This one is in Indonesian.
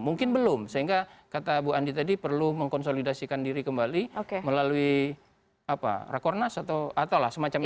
mungkin belum sehingga kata bu andi tadi perlu mengkonsolidasikan diri kembali melalui rakornas ataulah semacam itu